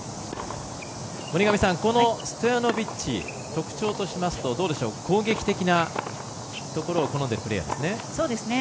森上さん、このストヤノビッチ特徴としますと攻撃的なところを好むプレーヤーですね。